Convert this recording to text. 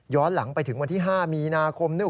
หลังไปถึงวันที่๕มีนาคมนู่น